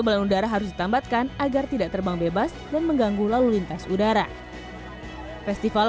balon udara harus ditambatkan agar tidak terbang bebas dan mengganggu lalu lintas udara festival